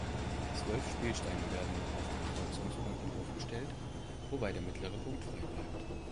Zwölf Spielsteine werden auf den Kreuzungspunkten aufgestellt, wobei der mittlere Punkt frei bleibt.